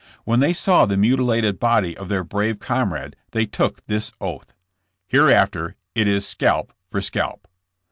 ,When they saw the mutilated body of their brave comrade they took this oath : ''Hereafter it is scalp for scalp.